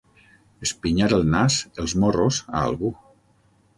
Espinyar el nas, els morros, a algú.